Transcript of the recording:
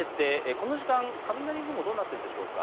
この時間雷雲どうなっているでしょうか。